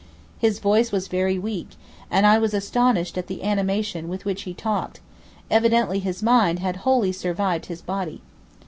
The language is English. His voice was very weak, and I was astonished at the animation with which he talked; evidently his mind had wholly survived his body.